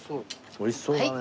おいしそうだね。